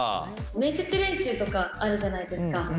面接練習とかあるじゃないですか。